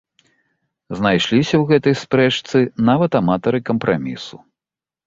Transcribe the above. Знайшліся ў гэтай спрэчцы нават аматары кампрамісу.